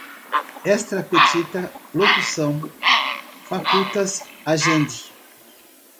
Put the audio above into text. extra petita, locução, facultas agendi